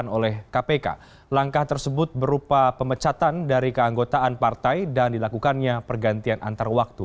oleh kpk langkah tersebut berupa pemecatan dari keanggotaan partai dan dilakukannya pergantian antar waktu